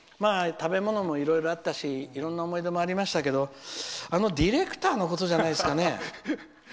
食べ物もいろいろあったしいろいろな思い出もありましたがディレクターのことじゃないでしょうか。